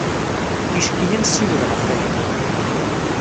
Ticki ad nessiwel ɣef waya.